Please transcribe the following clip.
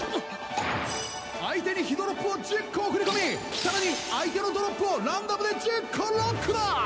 相手に火ドロップを１０個送り込み更に相手のドロップをランダムで１０個ロックだ！